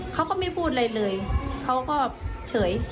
เขาก็ไม่พูดอะไรเลยเขาก็เฉย